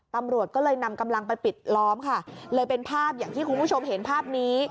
ตำรวจก็เลยนำกำลังไปปิดล้อมค่ะเลยเป็นภาพอย่างที่คุณผู้ชมเห็นภาพนี้